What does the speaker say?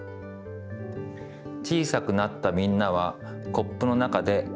小さくなったみんなはコップの中で何をしますか？